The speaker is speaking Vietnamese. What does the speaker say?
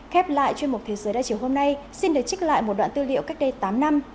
khép lại chuyên mục thế giới đa chiều hôm nay xin được trích lại một đoạn tư liệu cách đây tám năm